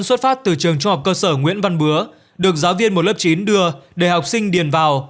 xuất phát từ trường trung học cơ sở nguyễn văn bứa được giáo viên một lớp chín đưa để học sinh điền vào